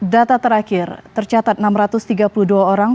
data terakhir tercatat enam ratus tiga puluh dua orang